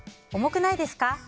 重くないですか？